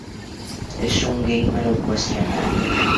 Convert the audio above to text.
Es un gamer ocasional.